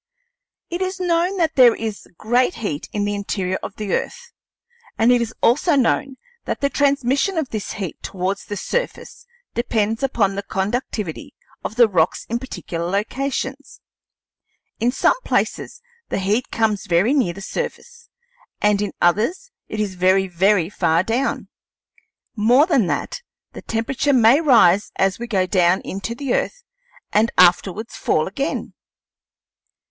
It is known that there is great heat in the interior of the earth, and it is also known that the transmission of this heat towards the surface depends upon the conductivity of the rocks in particular locations. In some places the heat comes very near the surface, and in others it is very, very far down. More than that, the temperature may rise as we go down into the earth and afterwards fall again.